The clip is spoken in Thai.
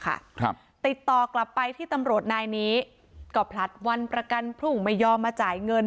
ครับติดต่อกลับไปที่ตำรวจนายนี้ก็ผลัดวันประกันพรุ่งไม่ยอมมาจ่ายเงิน